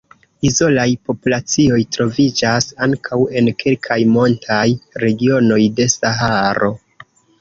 Izolaj populacioj troviĝas ankaŭ en kelkaj montaj regionoj de Saharo.